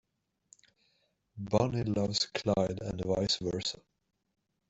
Bonnie loves Clyde and vice versa.